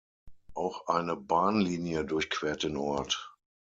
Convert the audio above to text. Auch eine Bahnlinie durchquert den Ort.